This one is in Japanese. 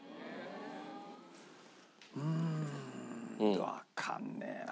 うーんわかんねえな